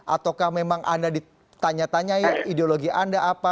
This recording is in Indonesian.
ataukah memang anda ditanya tanya ideologi anda apa